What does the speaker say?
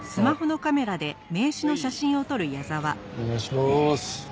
お願いします。